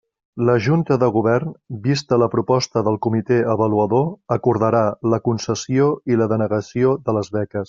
La Junta de Govern, vista la proposta del Comité Avaluador, acordarà la concessió i la denegació de les beques.